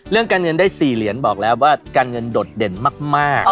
เรื่องการเงินได้๔เหรียญบอกแล้วว่าการเงินโดดเด่นมาก